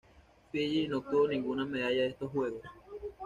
Fiyi no obtuvo ninguna medalla en estos juegos.